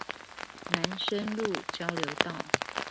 南深路交流道